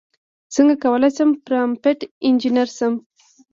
څنګه کولی شم پرامپټ انژینر شم